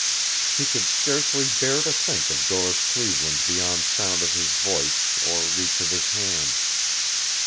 He could scarcely bear to think of Doris Cleveland beyond sound of his voice or reach of his hand.